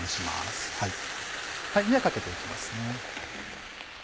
ではかけて行きますね。